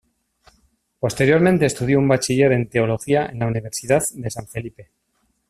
Posteriormente estudió un bachiller en teología en la Universidad de San Felipe.